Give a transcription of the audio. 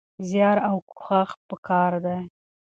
زيار او کوښښ پکار دی.